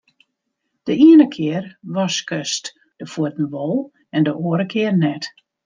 De iene kear waskest de fuotten wol en de oare kear net.